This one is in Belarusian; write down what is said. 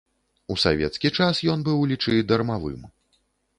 У савецкі час ён быў, лічы, дармавым.